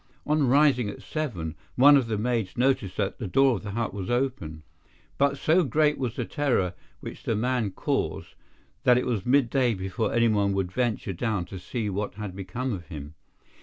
On rising at seven, one of the maids noticed that the door of the hut was open, but so great was the terror which the man caused that it was midday before anyone would venture down to see what had become of him.